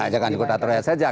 ya akan jadi kuda troya saja